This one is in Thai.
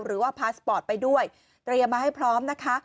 หรือว่าพาสปอร์ตไปด้วยเตรียมมาให้พร้อมนะคะ